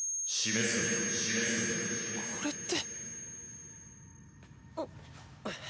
これって。